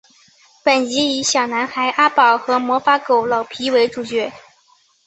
本集以小男孩阿宝和魔法狗老皮为主角。